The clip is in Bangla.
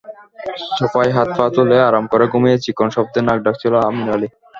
সোফায় হাত-পা তুলে আরাম করে ঘুমিয়ে চিকন শব্দে নাক ডাকছিল আমির আলী।